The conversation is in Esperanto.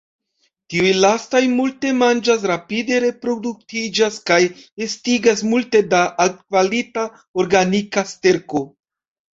Tiuj lastaj multe manĝas, rapide reproduktiĝas kaj estigas multe da altkvalita organika sterko.